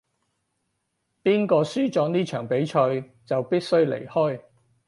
邊個輸咗呢場比賽就必須離開